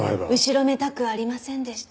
後ろめたくありませんでした？